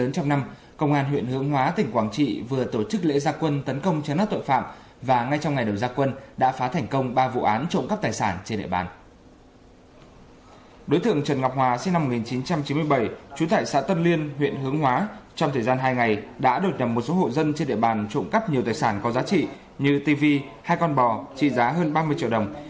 thời gian hai ngày đã được nằm một số hộ dân trên địa bàn trộm cắp nhiều tài sản có giá trị như tv hai con bò trị giá hơn ba mươi triệu đồng